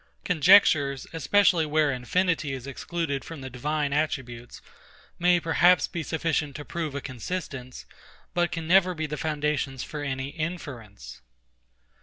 Conjectures, especially where infinity is excluded from the Divine attributes, may perhaps be sufficient to prove a consistence, but can never be foundations for any inference.